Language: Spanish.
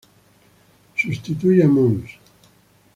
Sustituye a Mons.